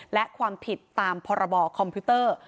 และความผิดตามพรบคอมพิวเตอร์